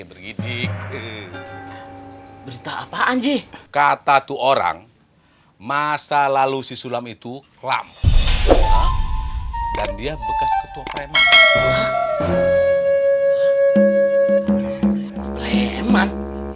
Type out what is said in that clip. bergidik berita apaan ji kata tuh orang masa lalu si sulam itu clam dan dia bekas ketua kreman